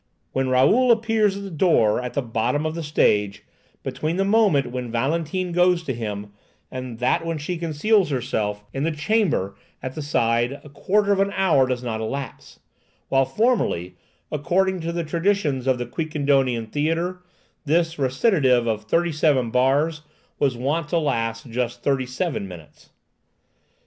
When Raoul appears at the door at the bottom of the stage, between the moment when Valentine goes to him and that when she conceals herself in the chamber at the side, a quarter of an hour does not elapse; while formerly, according to the traditions of the Quiquendone theatre, this recitative of thirty seven bars was wont to last just thirty seven minutes.